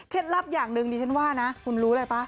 เคล็ดลับอย่างหนึ่งดิฉันว่านะคุณรู้เลยป่ะ